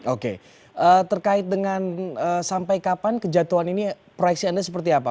oke terkait dengan sampai kapan kejatuhan ini proyeksi anda seperti apa